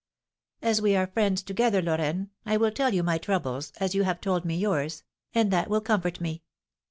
"As we are friends together, Lorraine, I will tell you my troubles, as you have told me yours, and that will comfort me.